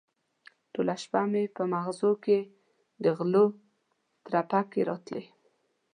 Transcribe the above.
ټوله شپه مې په مغزو کې د غلو ترپکې راتلې.